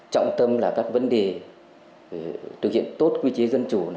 trọng tâm là các vấn đề thực hiện tốt quy chế dân chủ